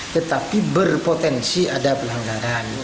tetapi berpotensi ada pelanggaran